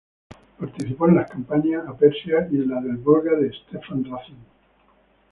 Participó en las campañas a Persia y en las del Volga de Stepán Razin.